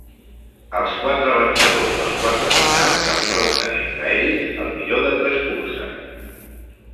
Els quatre vencedors dels quarts de final s'enfronten entre ells al millor de tres curses.